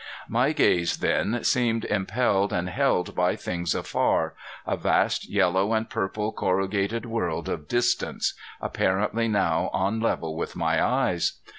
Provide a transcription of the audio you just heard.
My gaze then seemed impelled and held by things afar, a vast yellow and purple corrugated world of distance, apparently now on a level with my eyes.